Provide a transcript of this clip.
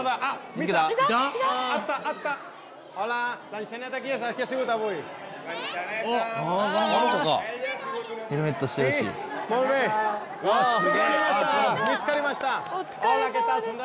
見つかりました。